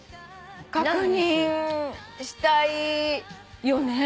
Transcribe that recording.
確認したいよね。